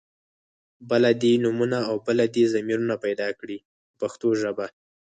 بله دې نومونه او بله دې ضمیرونه پیدا کړي په پښتو ژبه.